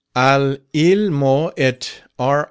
All' ill'mo et R.